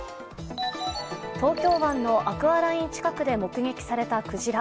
東京湾のアクアライン近くで目撃されたクジラ。